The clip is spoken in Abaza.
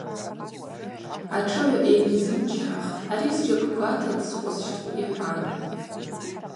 Атшыгӏв йанизымчхӏах – Ари зджьакӏквата дскъвысщтпӏ, – йхӏван.